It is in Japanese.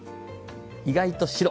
意外と白。